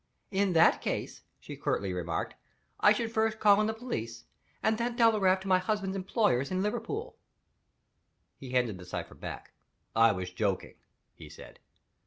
"In that case," she curtly remarked, "I should first call in the police, and then telegraph to my husband's employers in Liverpool." He handed the cipher back. "I was joking," he said.